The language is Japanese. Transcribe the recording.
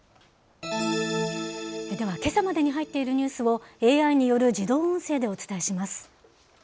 では、けさまでに入っているニュースを、ＡＩによる自動音声でお伝えします。